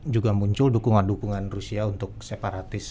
juga muncul dukungan dukungan rusia untuk separatis